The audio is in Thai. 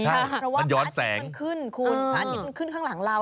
มันย้อนแสงเพราะว่าประอาทิตย์มันขึ้น้าเนี่ยต้องขึ้นข้างหลังเรา